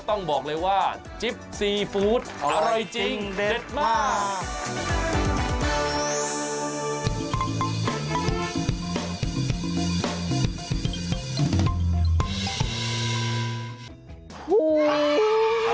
ต้องบอกเลยว่าจิ๊บซีฟู้ดอร่อยจริงเด็ดมาก